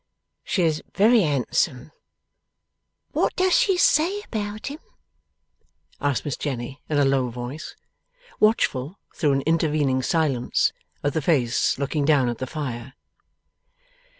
'She is very handsome.' 'What does she say about him?' asked Miss Jenny, in a low voice: watchful, through an intervening silence, of the face looking down at the fire.